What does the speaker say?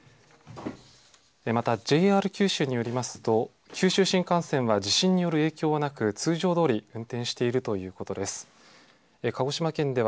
またＪＲ九州によりますと、九州新幹線は地震による影響はなく、通常どおり運転しているということです。